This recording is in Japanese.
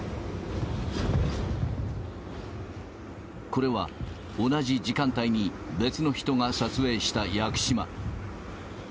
これは、同じ時間帯に別の人が撮影した屋久島。